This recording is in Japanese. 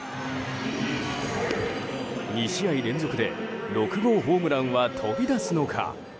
２試合連続で６号ホームランは飛び出すのか。